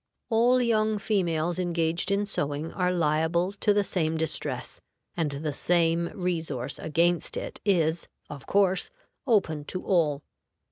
All young females engaged in sewing are liable to the same distress, and the same resource against it is, of course, open to all.